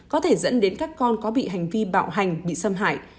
có thể dẫn đến các con có bị hành vi bạo hành bị xâm hại